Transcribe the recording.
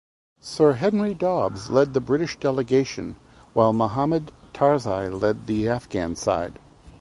Sir Henry Dobbs led the British delegation while Mahmud Tarzi led the Afghan side.